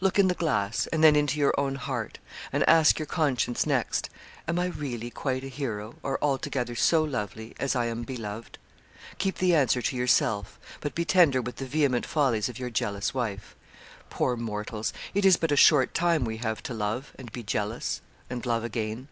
Look in the glass, and then into your own heart, and ask your conscience, next, 'Am I really quite a hero, or altogether so lovely, as I am beloved?' Keep the answer to yourself, but be tender with the vehement follies of your jealous wife. Poor mortals! It is but a short time we have to love, and be jealous, and love again.